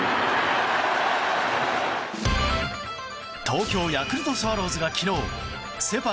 東京ヤクルトスワローズが昨日セ・パ